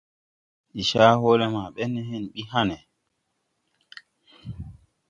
Ndi caa hɔɔle ma bɛn ne hen bi hãne.